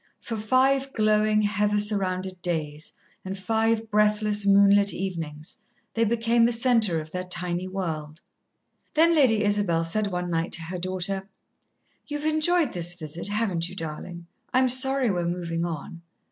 For five glowing, heather surrounded days and five breathless, moonlit evenings, they became the centre of their tiny world. Then Lady Isabel said one night to her daughter: "You've enjoyed this visit, haven't you, darlin'? I'm sorry we're movin' on."